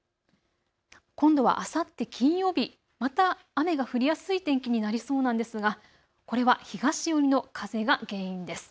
今度はあさって金曜日、また雨が降りやすい天気になりそうなんですが、これは東寄りの風が原因です。